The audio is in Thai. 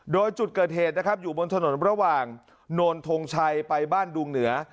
โดยจุดเกิดเหตุนะครับอยู่บนถนนระหว่างโนนทงชัยไปบ้านดุงเหนือ